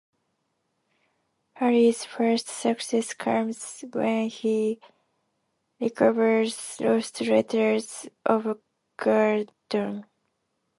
Harry's first success comes when he recovers lost letters of Gordon.